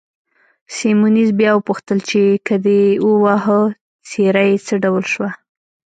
سیمونز بیا وپوښتل چې، کله دې وواهه، څېره یې څه ډول شوه؟